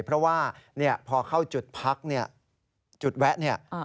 เพราะว่าพอเข้าจุดพักจุดแวะ